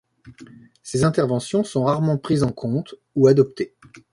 Ses interventions sont rarement prises en compte ou adoptées.